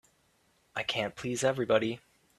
I can't please everybody.